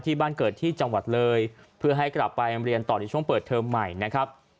บ้านเกิดที่จังหวัดเลยเพื่อให้กลับไปเรียนต่อในช่วงเปิดเทอมใหม่นะครับ